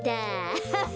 アハハ！